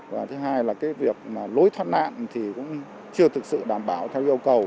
và thứ hai là cái việc mà lối thoát nạn thì cũng chưa thực sự đảm bảo theo yêu cầu